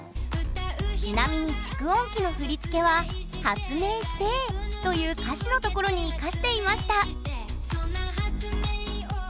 ちなみに蓄音機の振り付けは「発明してえ」という歌詞のところに生かしていました